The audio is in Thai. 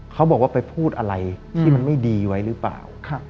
เขาบอกว่าไปพูดอะไรที่มันไม่ดีไว้หรือเปล่า